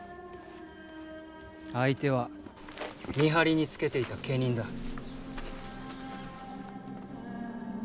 相手は見張りにつけていた家人だ。